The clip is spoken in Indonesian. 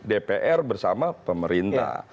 dpr bersama pemerintah